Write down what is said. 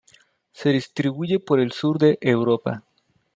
Se distribuye por el sur de Europa.